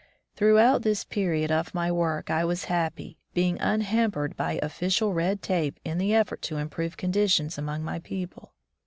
Throughout this period of my work I was happy, being unhampered by official red tape in the effort to improve conditions among my people.